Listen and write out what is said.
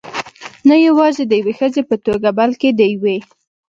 نه یوازې د یوې ښځې په توګه، بلکې د یوې .